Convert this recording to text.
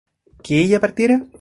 ¿que ella partiera?